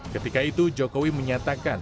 ketika itu jokowi menyatakan